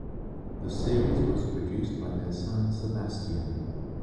The series was produced by their son, Sebastián.